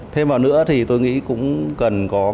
thêm vào nữa thì tôi nghĩ cũng cần có